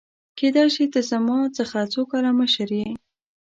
کيدای شي ته زما څخه څو کاله مشر يې !؟